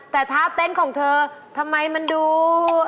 แต่ท่าเต้นของเธอทำไมมันดู